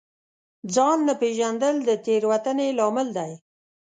ځان نه پېژندل د تېروتنې لامل دی.